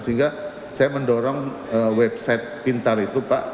sehingga saya mendorong website pintar itu pak